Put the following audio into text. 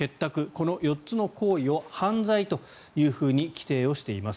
この４つの行為を犯罪というふうに規定しています。